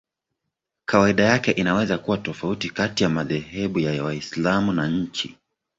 Kawaida yake inaweza kuwa tofauti kati ya madhehebu ya Waislamu na nchi.